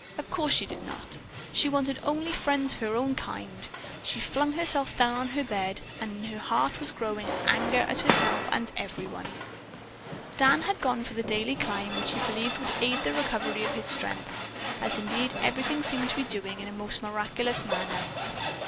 Of course she did not. She wanted only friends of her own kind. She flung herself down on her bed and in her heart was a growing anger at herself and at everyone. Dan had gone for the daily climb which he believed would aid the recovery of his strength, as indeed everything seemed to be doing in a most miraculous manner.